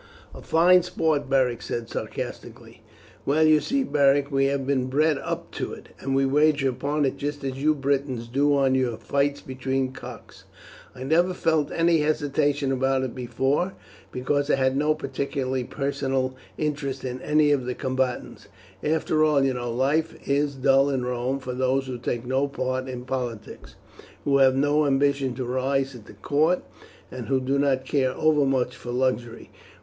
"A fine sport," Beric said sarcastically. "Well, you see, Beric, we have been bred up to it, and we wager upon it just as you Britons do on your fights between cocks. I never felt any hesitation about it before, because I had no particular personal interest in any of the combatants. After all, you know, life is dull in Rome for those who take no part in politics, who have no ambition to rise at the court, and who do not care overmuch for luxury.